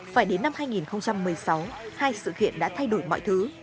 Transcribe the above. phải đến năm hai nghìn một mươi sáu hai sự kiện đã thay đổi mọi thứ